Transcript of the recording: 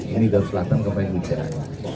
ini dari selatan kemarin hujan